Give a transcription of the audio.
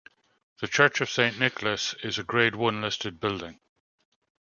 The church of Saint Nicholas is a Grade One listed building.